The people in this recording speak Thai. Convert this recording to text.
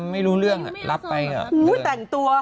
ไม่รู้เรื่อง